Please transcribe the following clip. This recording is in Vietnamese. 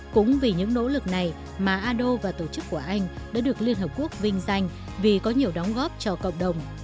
cũng vì những nỗ lực này mà ado và tổ chức của anh đã được liên hợp quốc vinh danh vì có nhiều đóng góp cho cộng đồng